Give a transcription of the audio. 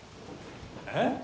えっ？